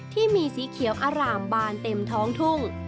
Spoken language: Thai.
ที่มีสีเขียวอร่ามบานเต็มท้องทุ่ง